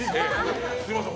すみません。